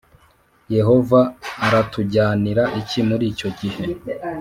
Yehova aratujyanira iki muri icyo gihe